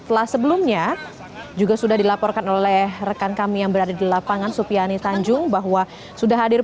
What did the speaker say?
yang menurut rencana memang akan dilakukan